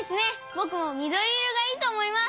ぼくもみどりいろがいいとおもいます！